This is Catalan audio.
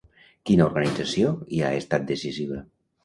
Quina organització hi ha estat decisiva?